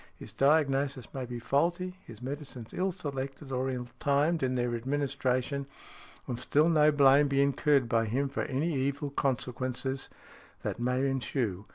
His diagnosis may be faulty, his medicines ill selected, or ill timed in their administration, and still no blame be incurred by him for any evil consequences that may ensue.